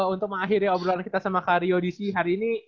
untuk mengakhiri obrolan kita sama kario dc hari ini